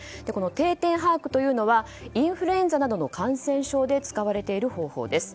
定点把握というのはインフルエンザなどの感染症で使われている方法です。